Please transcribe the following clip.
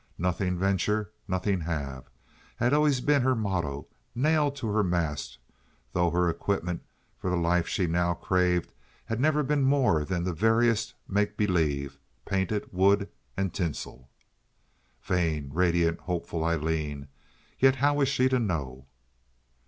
"Nothing venture, nothing have" had always been her motto, nailed to her mast, though her equipment for the life she now craved had never been more than the veriest make believe—painted wood and tinsel. Vain, radiant, hopeful Aileen! Yet how was she to know?